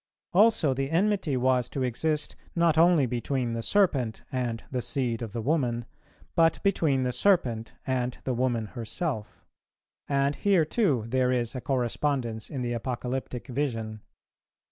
Also the enmity was to exist, not only between the Serpent and the Seed of the woman, but between the serpent and the woman herself; and here too there is a correspondence in the Apocalyptic vision.